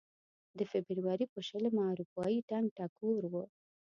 د فبروري په شلمه اروپايي ټنګ ټکور و.